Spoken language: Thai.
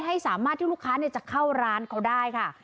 ให้สามารถที่ลูกค้าจะเข้าร้านเขาได้ค่ะ